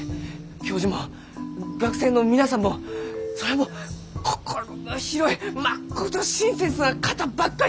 教授も学生の皆さんもそりゃもう心の広いまっこと親切な方ばっかりで！